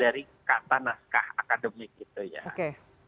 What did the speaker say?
ini mungkin dari kata naskah akademik itu ya